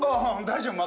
大丈夫。